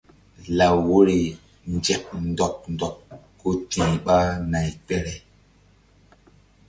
Law woyri nzek ndɔɓ ndɔɓ ku ti̧h ɓa nay kpere.